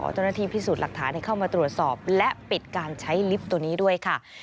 เจ้าหน้าที่พิสูจน์หลักฐานเข้ามาตรวจสอบและปิดการใช้ลิฟต์ตัวนี้ด้วยค่ะ